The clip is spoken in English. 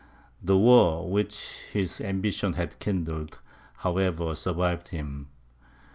The war which his ambition had kindled, however, survived him.